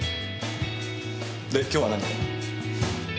で今日は何を？